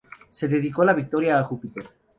Se dedicó la victoria a Júpiter.